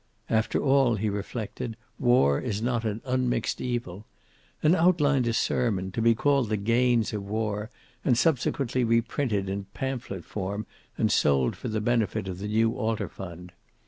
"After all," he reflected, "war is not an unmixed evil," and outlined a sermon, to be called the Gains of War, and subsequently reprinted in pamphlet form and sold for the benefit of the new altar fund.